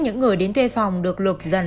nhưng ổ khóa không bật mở